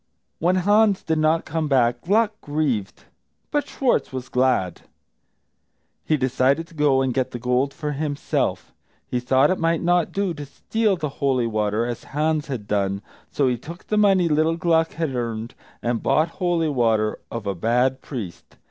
When Hans did not come back Gluck grieved, but Schwartz was glad. He decided to go and get the gold for himself. He thought it might not do to steal the holy water, as Hans had done, so he took the money little Gluck had earned, and bought holy water of a bad priest.